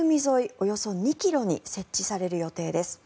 およそ２ｋｍに設置される予定です。